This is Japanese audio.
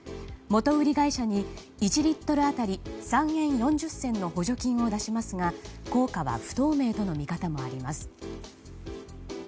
元売り会社に１リットル当たり３円４０銭の補助金を出しますが効果は不透明との見方もあります。